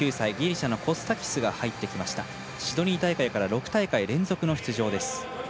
シドニー大会から６大会連続の出場です。